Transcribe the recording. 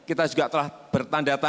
dan kita juga telah bertanggung jawab